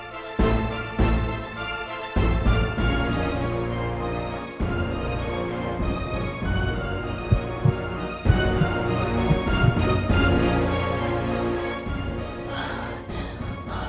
di rumah sakit ini